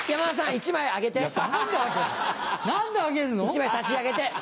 １枚差し上げて。